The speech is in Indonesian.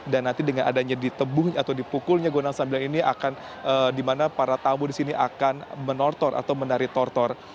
dan nanti dengan adanya di tebung atau dipukulnya gondang sembilan ini akan dimana para tamu di sini akan menortor atau menari tortor